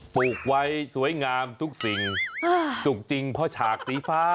ปลูกไว้สวยงามทุกสิ่งสุกจริงเพราะฉากสีฟ้า